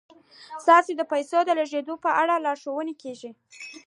تاسو ته د پیسو د لیږد په اړه لارښوونه کیږي.